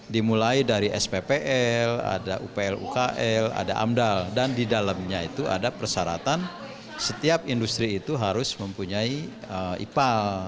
dimulai dari sppl ada upl ukl ada amdal dan di dalamnya itu ada persyaratan setiap industri itu harus mempunyai ipal